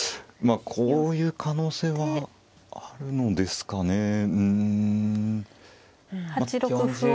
こういう可能性はあるのですかね。